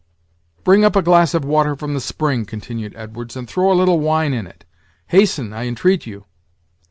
"Bring up a glass of water from the spring," continued Edwards, "and throw a little wine in it; hasten, I entreat you!"